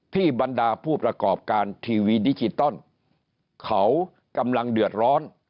บรรดาผู้ประกอบการทีวีดิจิตอลเขากำลังเดือดร้อน